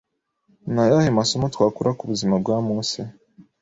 ni ayahe masomo twakura ku buzima bwa Mose